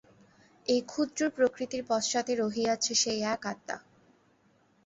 এই ক্ষুদ্র প্রকৃতির পশ্চাতে রহিয়াছে সেই এক আত্মা।